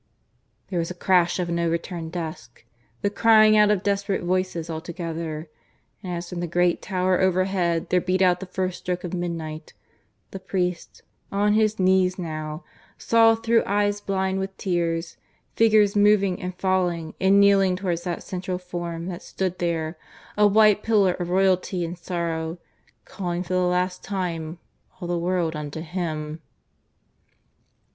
There was a crash of an overturned desk; the crying out of desperate voices all together, and as from the great tower overhead there beat out the first stroke of midnight, the priest, on his knees now, saw through eyes blind with tears, figures moving and falling and kneeling towards that central form that stood there, a white pillar of Royalty and sorrow, calling for the last time all the world unto him.